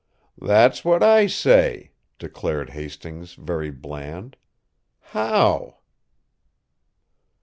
"That's what I say," declared Hastings, very bland. "How?"